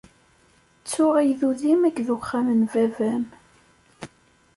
Ttu agdud-im akked uxxam n Baba-m.